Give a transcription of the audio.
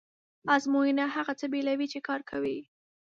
ازموینه هغه څه بېلوي چې کار کوي.